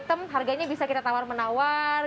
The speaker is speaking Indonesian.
beberapa item harganya bisa kita tawar menawar